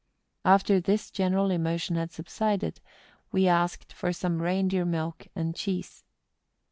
After this general emotion had subsided, we asked for some rein deer milk and cheese.